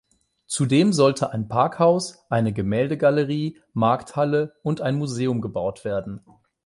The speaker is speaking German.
Zudem sollte ein Parkhaus, eine Gemäldegalerie, Markthalle und ein Museum gebaut werden.